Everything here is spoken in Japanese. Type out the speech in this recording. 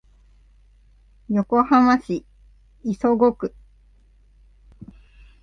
横浜市磯子区